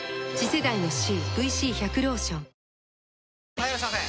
・はいいらっしゃいませ！